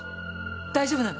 大丈夫なの？